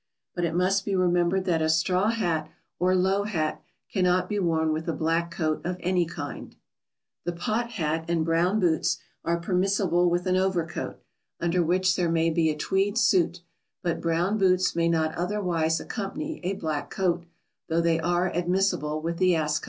But it must be remembered that a straw hat or low hat cannot be worn with a black coat of any kind. [Sidenote: Brown boots.] The "pot" hat and brown boots are permissible with an overcoat, under which there may be a tweed suit, but brown boots may not otherwise accompany a black coat, though they are admissible with the Ascot suit.